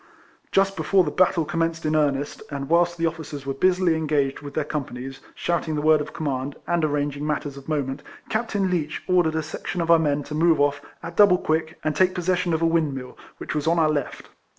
Just before the battle commenced in 54 RECOLLECTIONS OF earnest, and whilst the officers were busily engaged with their companies, shouting the word of command, and arranging matters of moment, Captain Leech ordered a section of our men to move off, at double quick, and take possession of a windmill, which was on our left.